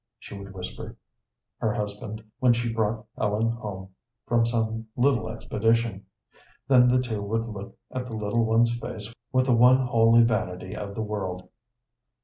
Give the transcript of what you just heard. she would whisper her husband when she brought Ellen home from some little expedition; then the two would look at the little one's face with the one holy vanity of the world.